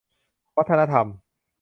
วัฒนธรรม